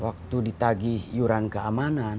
waktu ditagih iuran keamanan